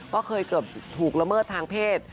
ก็เคยเกือบถูกละเมิดทางเพศ